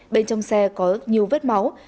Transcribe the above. bên trong xe có nhiều vết máu